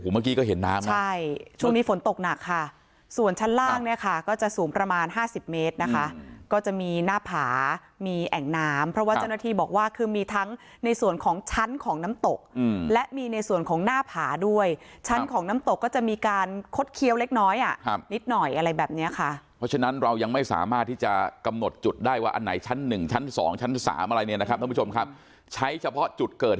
เมื่อกี้ก็เห็นน้ำใช่ช่วงมีฝนตกหนักค่ะส่วนชั้นล่างเนี่ยค่ะก็จะสูงประมาณ๕๐เมตรนะคะก็จะมีหน้าผามีแอ่งน้ำเพราะว่าเจ้าหน้าที่บอกว่าคือมีทั้งในส่วนของชั้นของน้ำตกและมีในส่วนของหน้าผาด้วยชั้นของน้ำตกก็จะมีการคดเคี้ยวเล็กน้อยอ่ะนิดหน่อยอะไรแบบนี้ค่ะเพราะฉะนั้นเรายังไม่สามารถที่จะก